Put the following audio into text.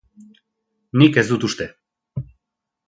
Nik ez dut uste.